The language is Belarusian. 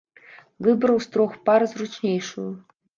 Выбраў з трох пар зручнейшую.